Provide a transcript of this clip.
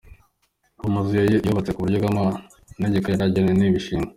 Ubu amazu yubatse ku buryo bw'amanegeka yarengewe n'ibishingwe.